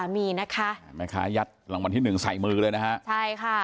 เหมือนกันยัดรางวัลที่๑ใส่มือเลยนะฮะใช่ค่ะ